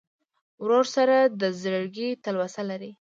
ورور سره د زړګي تلوسه لرې.